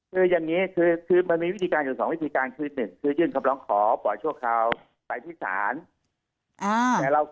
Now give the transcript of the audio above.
คืออย่างนี้คือมันมีวิธีการอยู่๒วิธีการคือ๑คือยื่นคำร้องขอปล่อยชั่วคราวไปที่ศาล